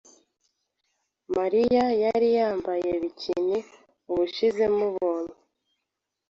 Mariya yari yambaye bikini ubushize namubonye.